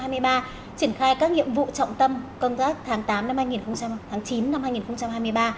triển khai các nhiệm vụ trọng tâm công tác tháng chín năm hai nghìn hai mươi ba